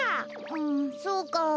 んそうか。